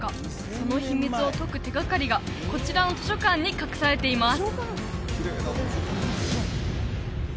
その秘密を解く手がかりがこちらの図書館に隠されています